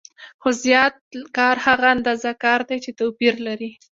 خو زیات کار هغه اندازه کار دی چې توپیر لري